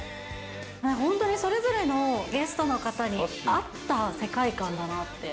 本当にそれぞれのゲストの方に合った世界観だなって。